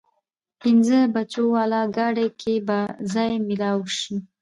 پينځه بجو واله ګاډي کې به ځای مېلاو شي؟